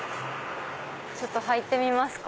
ちょっと入ってみますか。